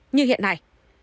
như hiện nay